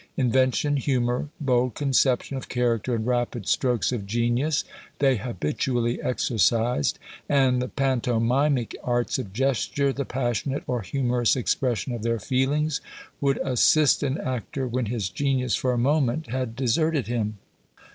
Invention, humour, bold conception of character, and rapid strokes of genius, they habitually exercised and the pantomimic arts of gesture, the passionate or humorous expression of their feelings, would assist an actor when his genius for a moment had deserted him.